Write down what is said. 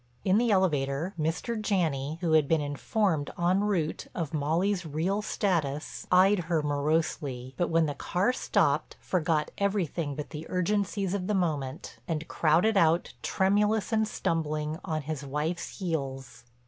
In the elevator Mr. Janney, who had been informed en route of Molly's real status, eyed her morosely, but when the car stopped forgot everything but the urgencies of the moment, and crowded out, tremulous and stumbling, on his wife's heels.